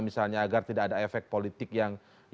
misalnya agar tidak ada efek politik yang